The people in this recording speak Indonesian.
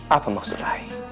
apa maksud rayi